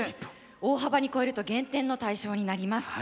大幅に超えると減点の対象になります。